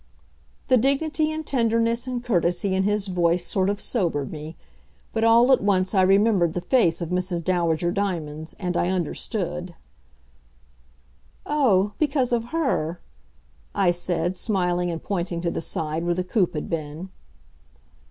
The dignity and tenderness and courtesy in his voice sort of sobered me. But all at once I remembered the face of Mrs. Dowager Diamonds, and I understood. "Oh, because of her," I said, smiling and pointing to the side where the coupe had been.